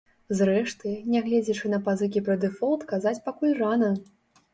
Зрэшты, нягледзячы на пазыкі пра дэфолт казаць пакуль рана.